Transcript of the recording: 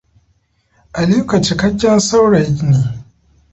Aliko cikakken saurayi ne.